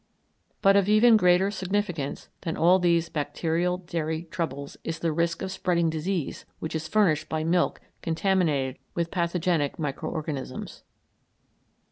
But of even greater significance than all these bacterial dairy troubles is the risk of spreading disease which is furnished by milk contaminated with pathogenic micro organisms.